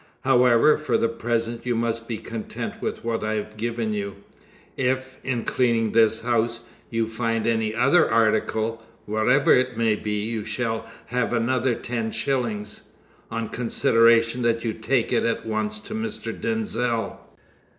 "However, for the present you must be content with what I have given you. If, in cleaning this house, you find any other article, whatever it may be, you shall have another ten shillings, on consideration that you take it at once to Mr. Denzil."